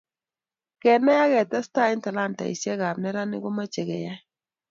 Kenai ak ketestai eng talantaishe ab neranik komoche keyay.